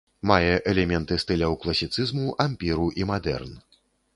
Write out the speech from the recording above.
Мае элементы стыляў класіцызму, ампіру і мадэрн.